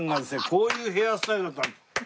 こういうヘアスタイルだった。